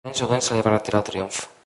L'any següent se li va retirar el triomf.